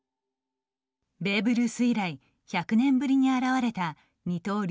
ベーブ・ルース以来１００年ぶりに現れた二刀流